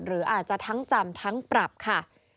หรืออาจจะทั้งจำทั้งปรับค่ะ